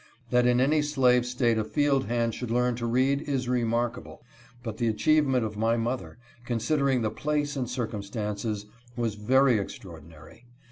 That in any slave State a field hand should learn to read is re markable, but the achievement of my mother, consider ing the place and circumstances, was very extraordinary.